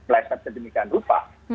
lesa sedemikian rupa